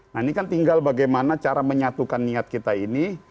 nah ini kan tinggal bagaimana cara menyatukan niat kita ini